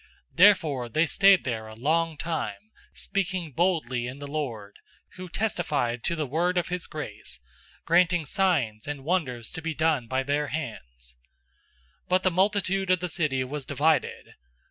014:003 Therefore they stayed there a long time, speaking boldly in the Lord, who testified to the word of his grace, granting signs and wonders to be done by their hands. 014:004 But the multitude of the city was divided.